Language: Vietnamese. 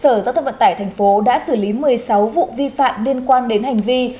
sở giao thông vận tải thành phố đã xử lý một mươi sáu vụ vi phạm liên quan đến hành vi